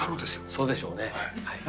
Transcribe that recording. そうでしょうねはい。